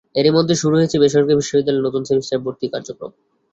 এরই মধ্যে শুরু হয়ে গেছে বেসরকারি বিশ্ববিদ্যালয়ে নতুন সেমিস্টারে ভর্তি কার্যক্রম।